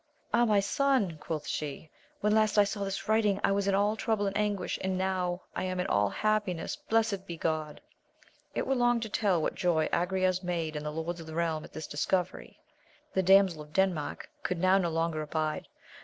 Ah, my son, quoth she, when last I saw this writing I was in all trouble and anguish, and now am I in all happi ness, — ^blessed be God ! It were long to tell what joy Agrayes made and the lords of the realm at this discovery. The damsel of Denmark could now no longer abide.